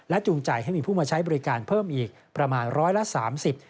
และจุงจ่ายให้มีผู้มาใช้บริการเพิ่มอีกประมาณ๑๓๐บาท